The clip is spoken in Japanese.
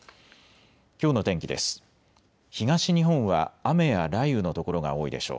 きょうの天気です。